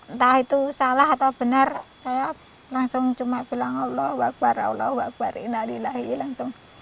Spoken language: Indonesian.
entah itu salah atau benar saya langsung cuma bilang allah wa bar inna lillahi langsung